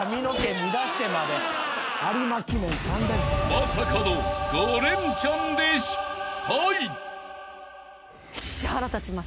［まさかの５レンチャンで失敗！］